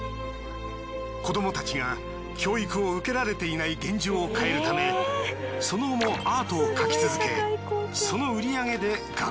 子どもたちが教育を受けられていない現状を変えるためその後もアートを描き続けその。